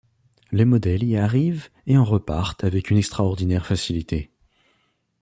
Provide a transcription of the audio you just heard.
Les modèles y arrivent et en repartent avec une extraordinaire facilité.